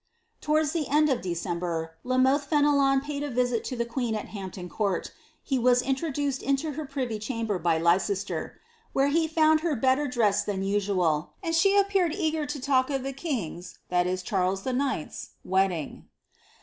'' Towards the end of December, La Mothe Fenelon paid a visit to the ^oeen at Hampton Court ; he was introduced into her privy chamber by Leicester, ^ where he found her better dressed than usual, and she ippeared eager to talk of the king's (Charles IX.) wedding."